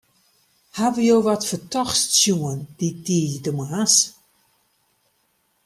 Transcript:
Hawwe jo wat fertochts sjoen dy tiisdeitemoarns?